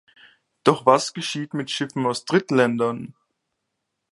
Doch was geschieht mit Schiffen aus Drittländern?